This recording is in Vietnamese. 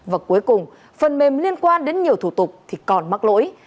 và cuối cùng phần mềm liên quan đến nhiều thủ tục thì còn mắc lỗi